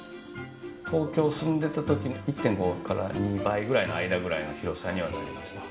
東京に住んでた時から１．５から２倍くらいの間ぐらいの広さにはなりました。